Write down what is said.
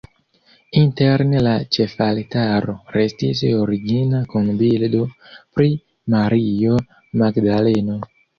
Interne la ĉefaltaro restis origina kun bildo pri Mario Magdaleno.